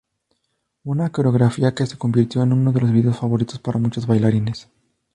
Una coreografía que se convirtió en uno de los vídeos favoritos para muchos bailarines.